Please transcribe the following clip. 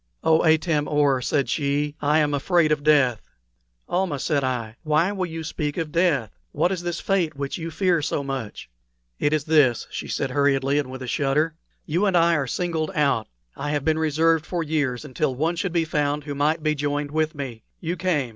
"Oh, Atam or," said she, "I am afraid of death!" "Almah," said I, "why will you speak of death? What is this fate which you fear so much?" "It is this," said she hurriedly and with a shudder, "you and I are singled out. I have been reserved for years until one should be found who might be joined with me. You came.